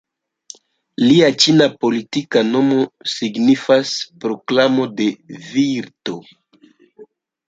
Lia ĉina politika nomo signifas "Proklamo de Virto".